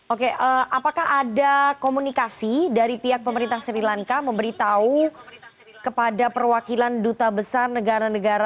oke apakah ada komunikasi dari pihak pemerintah sri lanka memberitahu kepada perwakilan duta besar negara negara